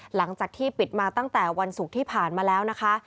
หลังจากที่ปิดมาตั้งแต่วันศุกร์ที่ผ่านมาแล้วนะคะ